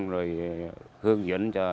rồi hướng dẫn cho